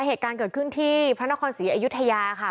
เหตุการณ์เกิดขึ้นที่พระนครศรีอยุธยาค่ะ